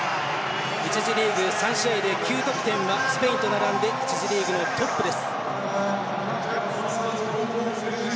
１次リーグ、３試合で９得点はスペインと並んで１次リーグのトップです。